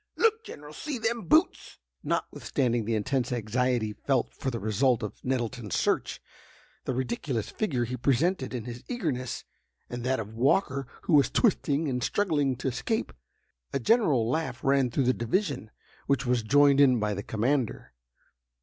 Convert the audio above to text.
look! General—see them boots!" Notwithstanding the intense anxiety felt for the result of Nettleton's search, the ridiculous figure he presented in his eagerness, and that of Walker who was twisting and struggling to escape, a general laugh ran through the division, which was joined in by the commander.